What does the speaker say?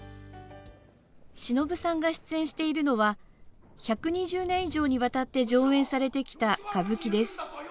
しのぶさんが出演しているのは１２０年以上にわたって上演されてきた歌舞伎です。